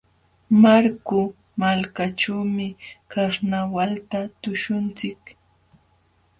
Marku malkaćhuumi karnawalta tuśhunchik.